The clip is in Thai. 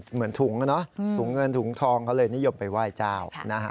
เหมือนถุงนะถุงเงินถุงทองเขาเลยนิยมไปไหว้เจ้า